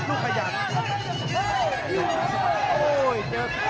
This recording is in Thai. ต้องการสวัสดีค่ะ